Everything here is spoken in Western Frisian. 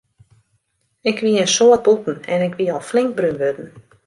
Ik wie in soad bûten en ik wie al flink brún wurden.